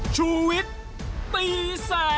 ชูวิตตีแสดหน้า